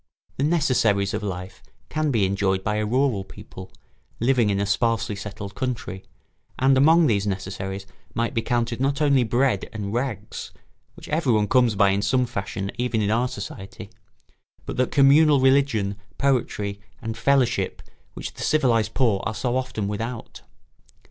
The necessaries of life can be enjoyed by a rural people, living in a sparsely settled country, and among these necessaries might be counted not only bread and rags, which everyone comes by in some fashion even in our society, but that communal religion, poetry, and fellowship which the civilised poor are so often without.